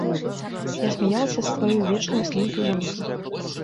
І смяялася з сваёю вечнаю слінкаю на вуснах.